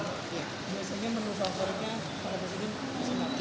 biasanya perlu favoritnya apa sih